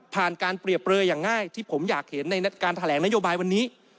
การเปรียบเปลยอย่างง่ายที่ผมอยากเห็นในการแถลงนโยบายวันนี้